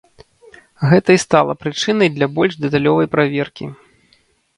Гэта і стала прычынай для больш дэталёвай праверкі.